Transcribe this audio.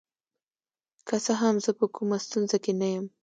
که څه هم زه په کومه ستونزه کې نه یم.